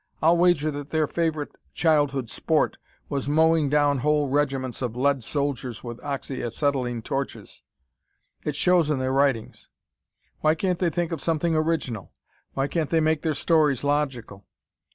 I'll wager that their favorite childhood sport was mowing down whole regiments of lead soldiers with oxy acetylene torches. It shows in their writings. Why can't they think of something original? Why can't they make their stories logical?